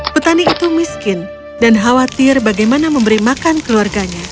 petani itu miskin dan khawatir bagaimana memberi makan keluarganya